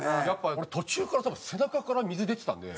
俺途中から多分背中から水出てたんで。